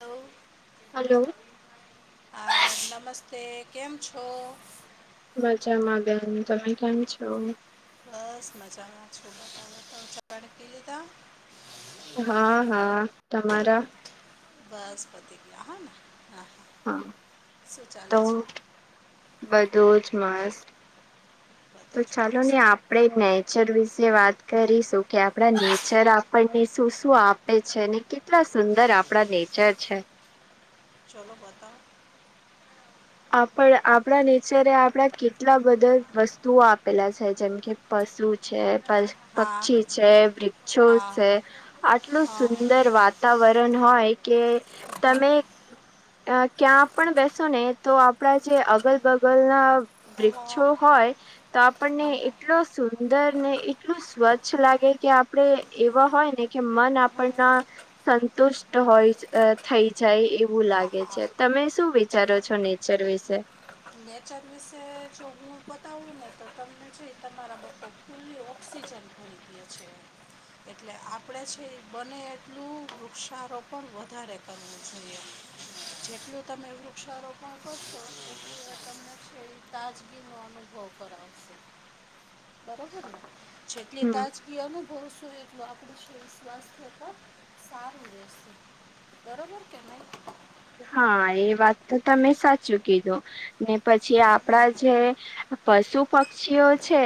Hello hello હા નમસ્તે, કેમ છો? મજામાં બેન, તમે કમ છો? બસ મજામાં છું [unintelligible] લેતા. હા હા તમારા? બસ પતી ગયુ હાને હા હા હા, હા શું તો ચાલે છે બધુંજ મસ્ત તો બધું જ મસ્ત ચાલોની આપડે નેચર વિશે વાત કરીશું કે આપડા નેચર આપણને શું શું આપ એ છે ને કેટલા સુંદર આપડા નેચર છે ચાલો બતાવ આપડ આપડા નેચર એ આપડા કેટ કેટલા બધા વસ્તુઓ આપેલા છે જેમકે પશુ છે, હા પક્ષી છે, વૃક્ષો હા હા છે. આટલું હા હા સુંદર વાતાવરણ હોય કે તમે ક્યાં પણ બેસો ને તો આપડા જે અગલ બગલ ના વૃક્ષો હોય, તો આપણને એટલો સુંદર ને એટલું સ્વચ્છ લાગે કે આપડે એવા હોય ને. કે મન હા હા આપણના સંતુષ્ટ હોય. થઈ જાય એવું હા લાગે હા છે તમે શું વિચારો છો નેચર વિશે? નેચર વિશે જો હું બતાવું ને તો તમને છે તમારા બ ખુલ્લી ઑક્સિજન ખોરાક છે. એટલે આપડે છે બને એટલું વૃક્ષારોપણ વધારે કરવું જોઈએ. જેટલું તમે વૃક્ષારોપણ કરશો એટલું તમને છેેડી તાજગીનો અનુભવ કરાવો. [inaudible] બરોબર, શટલી હમ તજ કે અનુ ભરોસો એટલ આપણું શરીર સ્વાસ્થ્ય પણ સારું રહેશે. બરોબર કે નહી? હા એ વાત તો તમે સાચું કીધું, ને પછી હા આપડા જે પશુ પક્ષીઓ છે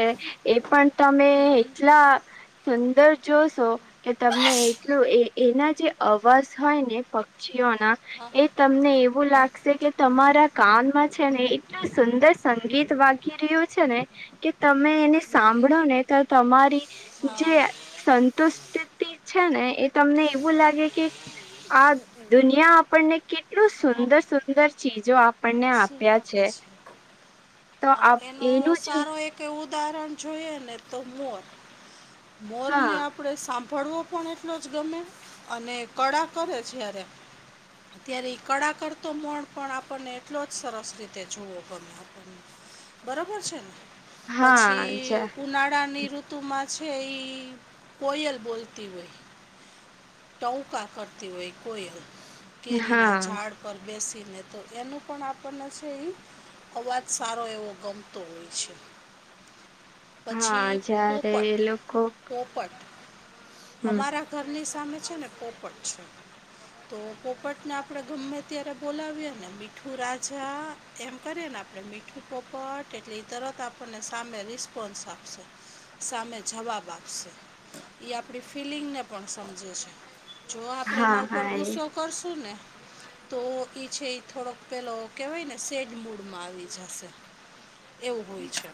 એ પણ તમે હમ હમ. એટલા સુંદર જોશો કે તમને એટલું એ એના જે અવાજ હોય ને પક્ષીઓના હા એ હા તમને એવું હા લાગશે કે તમારા કાનમાં છે ને એટલું સુંદર સંગીત વાગી રહ્યું છે ને. કે તમે એને હમ. સાંભળો ને તો તમારી હા જે સંતુષિ છે ને એ તમને એવું લાગે કે આ દુનિયા આપણને કેટલું હા સુંદર સુંદર ચીજો આપણને શું આપ્યા આપે છે છે તો અ આપ એનો એનું જે સારો એક કે ઉદાહરણ જોઈએ ને તો મોર મોરને હા આપ આપણે સાંભળવો પણ એટલો જ ગમે અને કળા કરે જ્યારે ત્યારે કળા કરતો મણ પણ આપણને એટલો જ સરસ રીતે જુવો ગમે આપણને બરોબર છે ને હા જ પછી ઉનાળાની ઋત તુંમાં છે એ કોયલ બોલતી હોય ટઉકા કરતી હોય કોઈ કેરી ના હા ઝાડ પર બેસીને તો એનું પણ આપણને અવાજ સારો એવો ગમતો હોય છે પછી હા જયારે પોપટ એ લોકો પોપટ હમ અમારા ઘરની સામે છે ને પોપટ છે તો પોપટને આપડે ગમે ત્યારે બોલાવીએ ને મીઠું રાજા એમ કરીએ ને આપણે મીઠું પોપટ એટલે તરત આપણને સામે રિસ્પોન્સ આપશે સામે જવાબ આપશે એ આપણી ફિલિંગને પણ સમજે છે જો આપડે હા એના ઉપર હા એ ગુસ્સો કરશું ને તો છે થોડોક પેલો કેવાય ને સેડ મૂડમાં આવી જશે. એવું હોય છે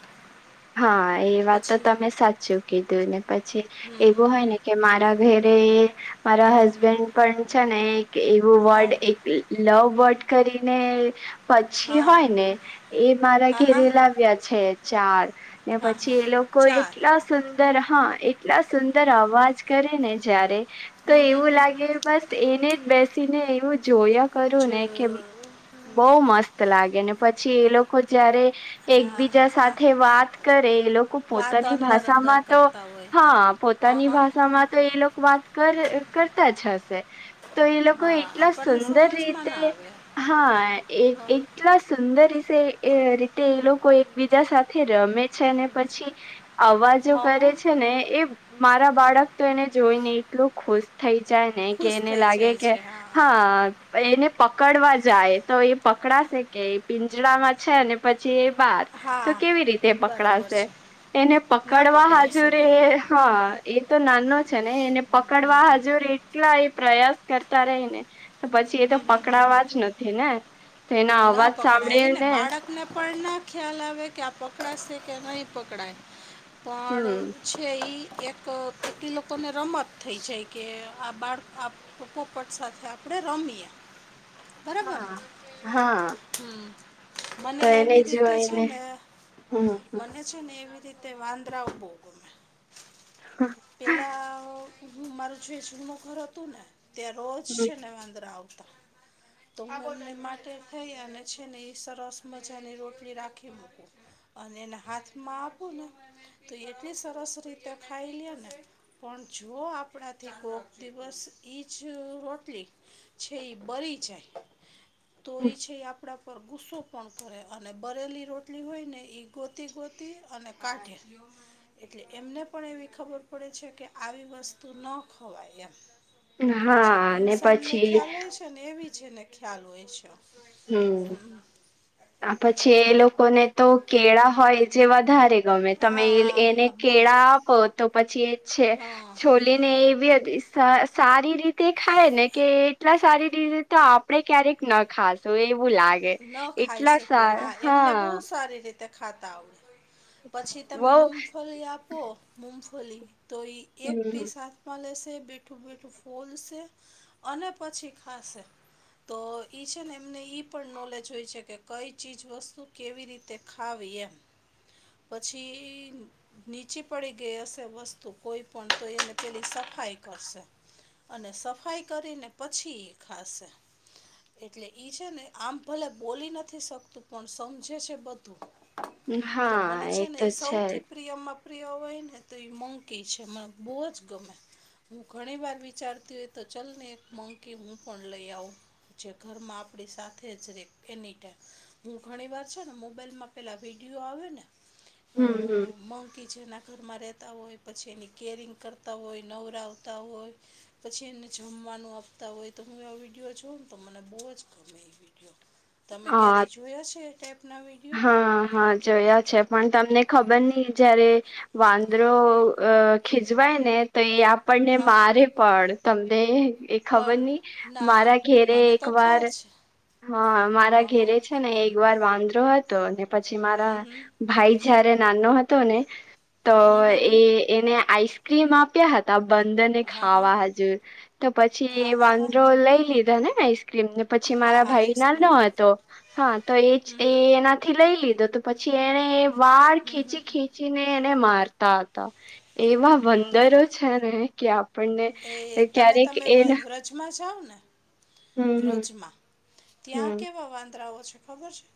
હા એ વાત તો પછી તમે સાચું. કીધું ને પછી હમ એવું હોય ને કે મારા ઘરે મારા હા હસબન્ડ. પણ છે ને એક એવું હા વર્ડ હા એક લવ વર્ડ કરીને. પછી હા હોય ને એ મારા હા ઘેરે લાવ્યા છે ચાર. ને હા હા પછી એ લોકો ચાર એટલા સુંદર હા એટલા સુંદર અવાજ કરે ને જારે. હમ હમ હમ હ. બસ એને જ બેસીને એવું જોયા જ કરું ને કે. બહુ મસ્ત લાગે ને પછી એ લોકો જારે. હા એકબીજા હા સાથે વાત કરે એ લોકો વાત પોતાની અંદર અંદર ભાષામાં તો કરતા હોય હા. હં પોતાની હં ભાષામાં તો એ લોકો વાત કર કરતા જ હશે તો એ લોકો હા એટલા. આપણને સુંદર સમજમાં ના રીતે આવે હા એક. હં કેટલા સુંદર એ રીતે એ લોકો એકબીજા સાથે રમે છે પછી. અવાજો હં કરે હં છે ને એ. મારા બાળક તો એને જોઈને એટલું ખુશ થઈ જાય ને કે ખુશ એને થઈ લાગે જાય કે. છે હા. એને પકડવા જાય તો એ પકડાશે કે એ પિંજડામાં છે ને પછી એ. બાર તો હા કેવી રીતે બરોબર પકડાશે. છે એને ન પકડવા પકડાઈ હાજુર શકે ને હા એ તો નાનો છે ને એને પકડવા હાજુરે. કેટલા એ પ્રયાસ કરતા રહી ને. તો પછી એ તો પકડાવા જ નથી ને તો એના ન અવાજ સાંભળે પકડાય ને. ને બાળકને પણ ના ખ્યાલ આવે કે આ પકડાશે કે નહીં પકડાય પણ. હમ છે એ એક એટલી લોકોને રમત થઈ છે કે આ બાળ આ. પોપટ સાથે આપડે. રમી બરાબર હા હા હમ. મને તો એને એવી રીતે છે જોઈને ને હમ મને. છે ને એવી રીતે વાંદરાઓ ભો ગમે. હા. પેલાં હું મારું છું એ સુંનું ઘર હતું ને. તે્યા રોજ હમ શને વંદ રા આવતા. તો માટે થઈ અને છે ને એ સરસ મજાની રોટલી રાખી મક. અને એને હાથમાં આપું ને તો એટલી સરસ રીતે ખાઈ લે ને. પણ જો આપણાથી કોક દિવસ ઈજ રટલી. છે એ બરી જાય તો એ છે આપ. કડા પર ગુસ્સો પણ કરે અને બરેલી રોટલી હોય ને એ ગોતી ગોતી અને કાઢે. એટલે એમને પણ એવી ખબર પડે છે કે આવી વસ્તુ ન ખવાય એમ. હમ જેમ હા ઇન્સાન ને પછી ખ્યાલ હોય છે ને એવી જેને ખ્યાલ હોય છે. હમ. આ પછી એ લોકોને તો કેળા હોય જે વધારે. ગમે તમે હા એને હા બહુ જ કેળા આપો તો પછી એ છે. હા લીને એવી સારી રીતે ખાય ને કે એટલા સારી રતે. તો આપડે ક્યારેક ન ખાશું એવું લાગે. ન ખાઈ એટલા શકે સારા હા એમને બહુ સારી રીતે. તે ખાતા આવડે પછી તમે બઉ મૂગફલી આપો મૂગફલી તો એ. એક પીસથ. લેશે મીઠું મીઠું બોલશે અને પછી ખાશે. તો એ છે ને એમને. પણ નોલેજ હોય છે કે કઈ ચીજ વસ્તુ કેવી રીતે ખાવી એમ. પછી. નીચે પડી ગઈ હશે વસ્તુ કોઈ પણ તો એને પેલી સફાઈ કરશે. અને સફાઈ કરીને પછી ખાશે એટલે ઈ છે ને આમ ભલે બોલી નથી શકતું પણ સમજે છે બધું હમ તો મને હા છે ને તો એ છે સૌથી પ્રિયમાં પ્રિય હોય ને તો એ મંકી છે મને બહુ જ ગમે હું ઘણી વાર વિચારતી હોય તો ચલ ને એક મંકી હું પણ લઈ આવું જે ઘરમાં આપણી સાથે જ રે એની ટાઈમ હું ઘણી વાર છે ને મોબાઈલમાં પેલા વિડીિયો આવ્યો ને અ હમ હમ મગ કિચ ના ઘરમાં રહેતા હોય પછી એની કેરિંગ કરતા હોય નવરા આવતા હોય પછી એને જમવાનું આપતા હોય તો હું એ વિડીયો જોઉ ને તો મને બહુ જ ગમે એ તમે હા ક્યારે જોયા છે એ ટાઈપના વિડીયો? હા હા જોયા છે પણ તમને ખબર નહી જયારે વાંદરો અ ખીજવાય ને તો એ આપણને હા મારે પણ તમને ખબર પણ નહી ના મારા ઘેરે મને તો એક વાર ખ્યાલ છે હા મારા હા હા ઘેરે ને એક વાર વાંદરો હતો પછી મારા ભાઈ જયારે નાનો હતો ને તો એ એને આઈસક્રીમ આપ્યા હતા ત બંધન ને હા હા ખાવા હજુ. તો પછી હા હા હા વાંદરોો લઈ લીધા નેને આઈસ્ક્રીમને પછી હા મારા હા ભાઈ ના ન આઈસ્ક્રીમ હતો. હા તો એ એ એનાથી લઈ લીધો તો પછી એને વાળ ખેચી. ને એને મારતા હતા એવા બંદરો છે ને કે પણને ક્યારેક એ- ચજમા ચાવને- વ્રજમાં ત્યાં હમ કેવા વાંદરાઓ છે ખબર છે.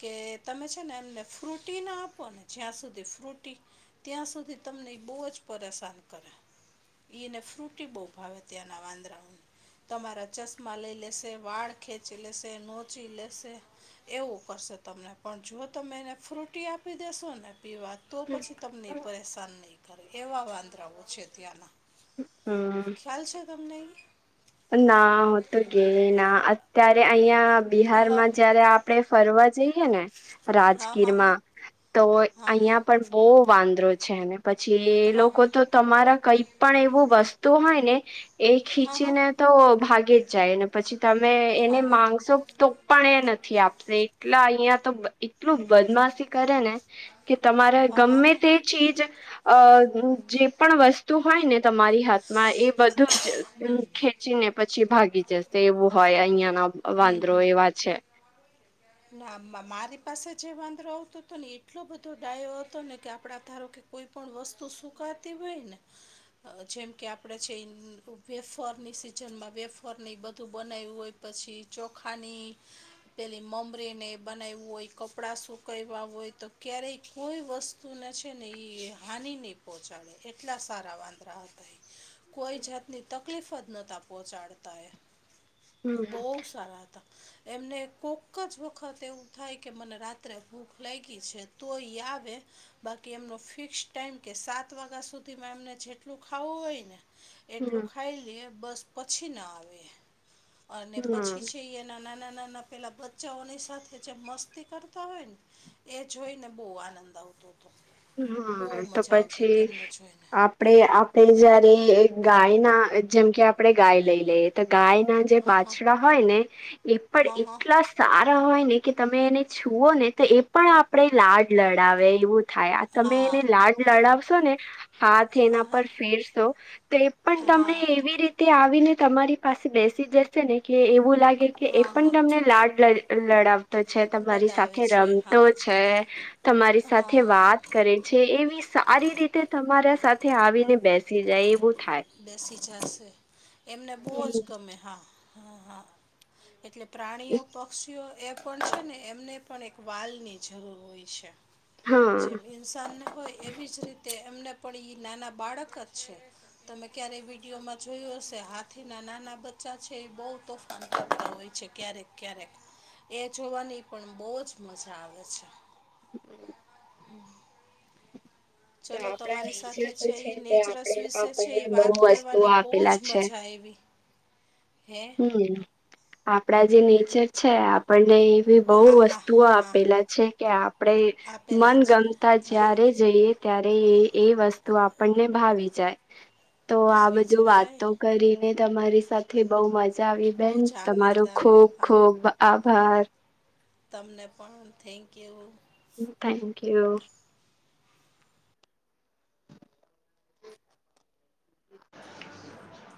કે તમે છે ને એમને ફ્રૂટી ના આપો ને જ્યાં સુધી ફ્રૂટી. ત્યાં સુધી તમને એ બહુ જ પરેશાન કરે. એઈને ફ્રુટી બહુ ભાવે ત્યાંના વાંદરાઓને, તમારા ચસ મા લઈ લેશે વાળ ખેંચી લેશે નોચી લેશે. એવું કરશે તમને પણ જો તમે એને ફ્રુટી આપી દેેશો ને- પીવા તો હમ પછી તમને પરેશાન નહીં કરે એવા વાંદરાઓ છે ત્યાંના હમ ખાલશે તમ નહી. ના હું તો ગે ના અત્યારે અહં હા બિહારમાં જયારે આપડે ફરવા જઈએ ને, હા રાજકીર હા હા માં. તો હા અહિયાં પણ બહુ વાંદરો છે એને. પછી એ હા હા લોકો તો તમારા કઈ પણ એવું વસ્તુ હોય ને એ હા હા હા ખીચીને તો ભાગે જ જાય ને પછી તમે હા એને માનશો તો પણ એ નથી આપશે એટલા અહિયાં તો એટલું બદમાશ કરે ને કે તમારે હા હા ગમે હા તે ચીજ અ જે પણ વસ્તુ હોય ને તમારી હાથમાં એ બધું જ ચીને પછી ભાગી જશે એવું હોય અહિયાંના વાંદરો એવા છે ના મારી પાસે જે વાંદરો આવતો હતો ને એટલો બધો ડાયો હતો ને કે આપડા ધારો કે કોઈ પણ વસ્તુ સુકાતી હોય ને જેમ કે આપણે છે વેફરની સિઝનમાં વેફર બધું બનાવ્યું હોય પછી ચોખાની પેલી મમરીને બનાવવું હોય કપડાં સુકવા હોય તો ક્યારેય કોઈ વસ્તુ તું છે ને એ હાની નહીં પહોંચાડે એટલા સારા વાંદરા હતા એ કોઈ જાતની તકલીફ જ નતા પહોંચાડતા એ હમ બહુ સારા હતા એમને કોક એક જ વખત એવું થાય કે મને રાત્રે ભૂખ લાગી છે તો એ આવે બાકી એમનો ફિક્સ ટાઈમ કે સાત વાગ્યા સુધીમાં એમને જેટલું ખાવું હોય ને એટલું હમ ખાઈ લઈ બસ પછી ના આવે અને પછી હમ છે ના ના ના ના પેલાધ બચ્ચાઓની સાથે જે મસ્તી કરતા હોય ને એ જોઈને બહુ આનંદ આવતો હતો બહુ હા તો મજા આવતી પછી હતી એમને જોઈને આપ આપણે આપણે જયારે ગાયના જેમ કે આપણે ગાય લઈ લઈએ તો ગાયના જે હા હા બાછડા હોય ને એ પણ હા એલા સારા હોય ને કે તમે એને છુઓ ને તો એ પણ આપણે લાડ લડાવે એવું થાય. તમે હા એને લાડ લડાવશો ને. હાથ હા એના પર હા ફેરશો, તો એ પણ હા તમને હા એવી રીતે તે આવીને તમારી પાસે બેસી જશે ને કે એવું લાગે કે એ હા હા પણ તમને લાડ લડાવતો છે તમારી લડાવે સાથે છે હા રમતો છે. તમારી સાથે હા વાત કરે છે એવી સારી રીતે તમારા સાથે આવીને બેસી જાય એવું થાય. બેસી જશે, એમને બહુ જ હમ. ગમે હા હા હા. એટલે પ્રાણીઓ પક્ષીઓ એ પણ છે ને એમને પણ એક વાલ ની જરૂર હોય છે, હા. જેમ નુકસાન ન હોય એવી જ રીતે એમને પણ એ નાના બાળક જ છે. તમે ક્યારેય વિડીયોમાં જોયો હશે હાથીના નાના બચ્ચા છે એ બહુ તોફાન કરતા હોય છે ક્યારેક. ક્યારેક, એ જોવાની પણ બહુ જ મજા આવે છે. હમ. તો આપણા જ સાથે તો છે એ તે નેચરલ્સ આપણે વિશે છે આપણને એ બહુ વાત વસ્તુઓ કરવાની બહુ જ આપેલા છે. [inaudible] મજા આવી હે હ આપડા જે નેચર છે આપણને એ બહુ હા હા વસ્તુઓ હા આપેલા છે કે આપણેે મન આપેલા છે ગમતા હા જ્યારે જઈએ ત્યારે એ એ વસ્તુ આપણને ભાવી જાય. તો આ ભાવી બધું જય વાતો કરીને તમારી સાથે બઉ મજા મજાવ બહુ બેન જ આનંદ તમારું આવ્યો ખૂબ હા ખુબ આભાર. તમને પણ થેન્કયુ. Thank you.